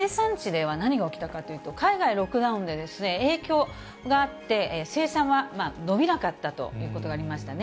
まず生産地では何が起きたかというと、海外ロックダウンで影響があって、生産は伸びなかったということがありましたね。